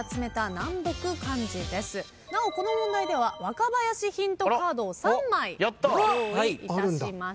なおこの問題では若林ヒントカードを３枚ご用意いたしました。